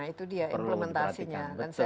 nah itu dia implementasinya